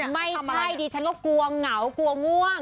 ไม่ใช่ดิฉันก็กลัวเหงากลัวง่วง